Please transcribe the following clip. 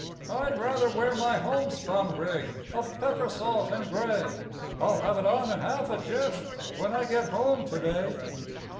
I'd rather wear my homespun rig of pepper salt and gray I'll have it on in half a jiff, when I get home to day.